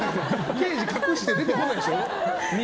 刑事隠して出てこないでしょ。